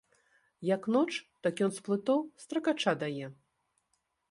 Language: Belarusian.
Як ноч, так ён з плытоў стракача дае.